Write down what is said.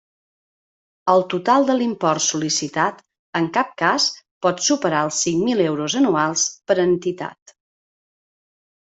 El total de l'import sol·licitat en cap cas pot superar els cinc mil euros anuals per entitat.